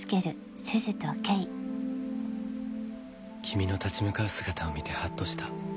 君の立ち向かう姿を見てハッとした。